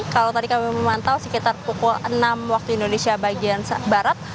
kalau tadi kami memantau sekitar pukul enam waktu indonesia bagian barat